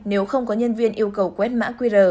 nếu không có nhân viên yêu cầu quét mã qr